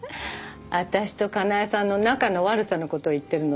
私とかなえさんの仲の悪さの事を言ってるのね？